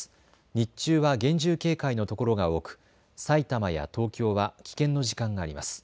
日中は厳重警戒の所が多くさいたまや東京は危険の時間があります。